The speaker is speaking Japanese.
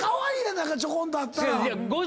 何かちょこんとあったら。